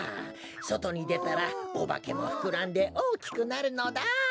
そとにでたらおばけもふくらんでおおきくなるのだ！